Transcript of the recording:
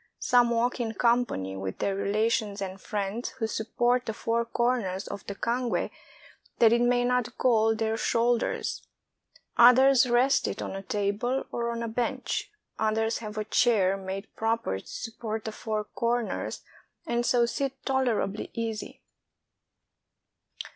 Some walk in company with their rela tions and friends, who support the four corners of the cangue that it may not gall their shoulders. Others rest it on a table or on a bench; others have a chair made proper to support the four corners, and so sit tolerably easy.